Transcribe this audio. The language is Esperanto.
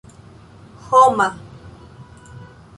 homa